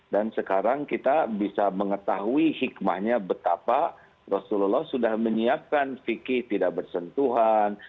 dan sekarang kita bisa mengetahui hikmahnya betapa rasulullah sudah menyiapkan fikih tidak bersentuhan